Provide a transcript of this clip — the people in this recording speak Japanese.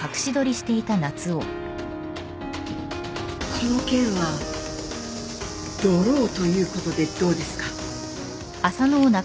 この件はドローということでどうですか？